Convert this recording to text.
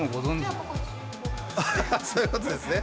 あそういうことですね